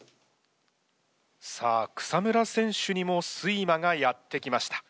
さあ草村選手にも睡魔がやって来ました。